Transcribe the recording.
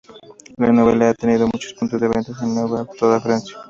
La novela ha tenido muchos puntos de ventas en toda Francia.